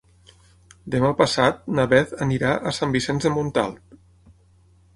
Demà passat na Beth anirà a Sant Vicenç de Montalt.